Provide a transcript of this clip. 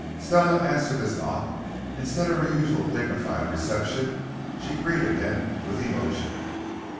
Stella answered his knock. Instead of her usual dignified reception, she greeted him with emotion.